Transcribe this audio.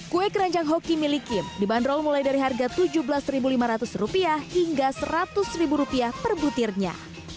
kue keranjang hoki milik kim dibanderol mulai dari harga rp tujuh belas lima ratus hingga rp seratus per butirnya